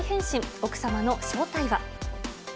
奥様の正体は。